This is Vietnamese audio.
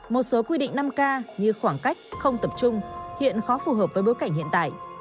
một số quy định năm k như khoảng cách không tập trung hiện khó phù hợp với bối cảnh hiện tại